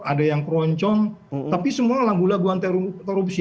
ada yang keroncong tapi semua lagu laguan terorupsi